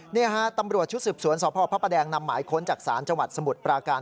นี่ฮะตำรวจชุดสืบสวนสพพระประแดงนำหมายค้นจากศาลจังหวัดสมุทรปราการ